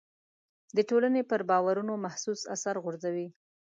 د ټولنې پر باورونو محسوس اثر غورځوي.